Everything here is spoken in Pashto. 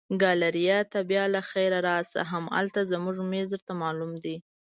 ګالیریا ته بیا له خیره راشه، همالته زموږ مېز درته معلوم دی.